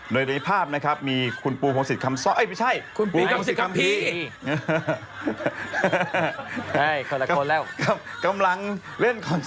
โดยในภาพนะครับมีคุณปูพงศิษย์คำซ้อน